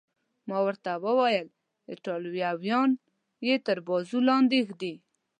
ما ورته وویل: ایټالویان یې تر بازو لاندې ږدي.